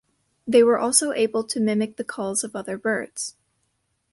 They were also able to mimic the calls of other birds.